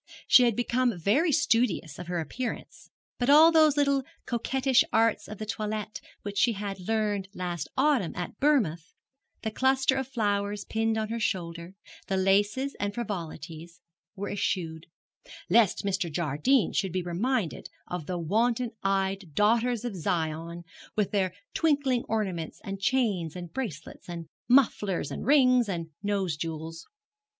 She had become very studious of her appearance, but all those little coquettish arts of the toilet which she had learned last autumn at Bournemouth, the cluster of flowers pinned on her shoulder, the laces and frivolities, were eschewed; lest Mr. Jardine should be reminded of the wanton eyed daughters of Zion, with their tinkling ornaments, and chains, and bracelets, and mufflers, and rings, and nose jewels.